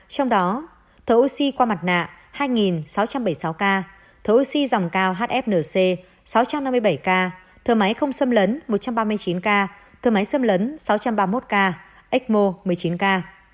trong đó thở oxy qua mặt nạ hai sáu trăm bảy mươi sáu ca thầu oxy dòng cao hfnc sáu trăm năm mươi bảy ca thở máy không xâm lấn một trăm ba mươi chín ca thơ máy xâm lấn sáu trăm ba mươi một ca ecmo một mươi chín ca